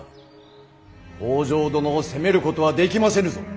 北条殿を責めることはできませぬぞ。